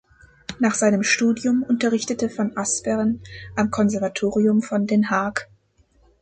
Nach seinem Studium unterrichtete van Asperen am Konservatorium von Den Haag.